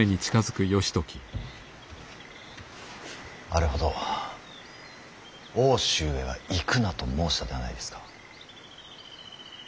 あれほど奥州へは行くなと申したではないですか。